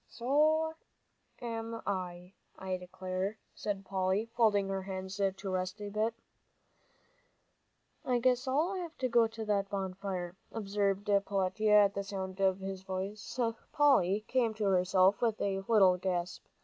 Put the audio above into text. "So am I, I declare," said Polly, folding her hands to rest a bit. "I guess I'll go to that bonfire," observed Peletiah. At the sound of his voice, Polly came to herself with a little gasp.